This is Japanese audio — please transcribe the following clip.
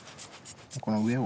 この上を。